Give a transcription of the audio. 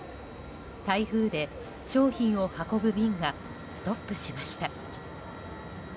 台風で商品を運ぶ便がストップしました。